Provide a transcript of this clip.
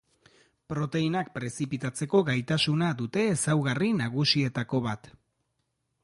Proteinak prezipitatzeko gaitasuna dute ezaugarri nagusietako bat.